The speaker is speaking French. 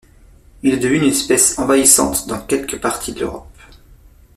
Il est devenu une espèce envahissante dans quelques parties de l'Europe.